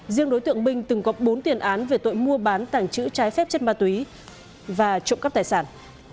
riêng đối tượng binh từng có bốn tiền án về tội mua bán tàng trữ trái phép chất ma túy và trộm cắp tài sản